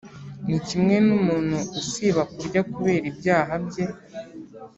Ni kimwe n’umuntu usiba kurya kubera ibyaha bye,